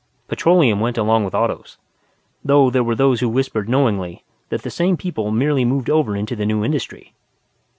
Petroleum went along with Autos. (Though there were those who whispered knowingly that the same people merely moved over into the new industry.